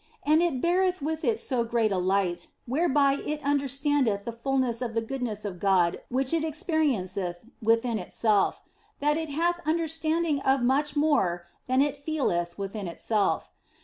And it beareth with it so great a light (whereby it understandeth the fulness of the goodness of God which it experienceth within itself) that it hath understanding of much more than it feeleth within itself.